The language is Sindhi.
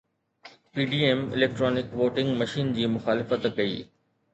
PDM اليڪٽرانڪ ووٽنگ مشين جي مخالفت ڪئي